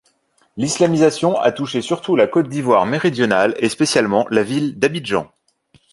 L'islamisation a touché surtout la Côte d'Ivoire méridionale, et spécialement la ville d'Abidjan.